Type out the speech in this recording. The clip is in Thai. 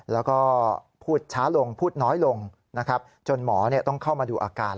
แล้วก็พูดช้าลงพูดน้อยลงนะครับจนหมอต้องเข้ามาดูอาการ